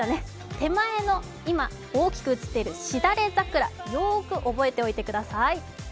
手前の今、大きく映っているシダレザクラよーく覚えておいてください。